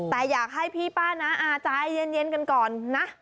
แต่อยากให้พี่ป้าน้าอาใจเย็นกันก่อนนะ